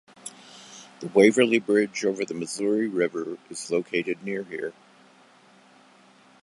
The Waverly Bridge over the Missouri River is located near here.